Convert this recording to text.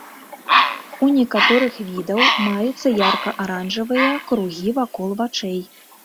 У некаторых відаў маюцца ярка-аранжавыя кругі вакол вачэй.